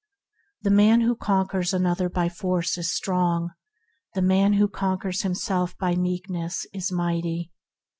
The man that conquers another by force is strong; the man that conquers himself by Meekness is mighty.